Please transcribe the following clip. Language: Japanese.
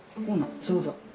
そうそう。